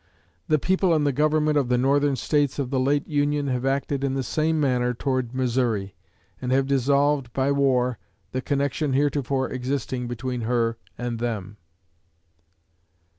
The people and the Government of the Northern States of the late Union have acted in the same manner toward Missouri, and have dissolved, by war, the connection heretofore existing between her and them.